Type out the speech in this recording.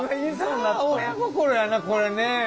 これね。